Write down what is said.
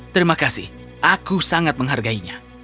terima kasih aku sangat menghargainya